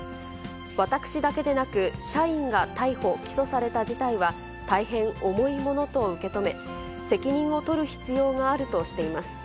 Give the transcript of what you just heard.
私だけでなく、社員が逮捕・起訴された事態は、大変重いものと受け止め、責任を取る必要があるとしています。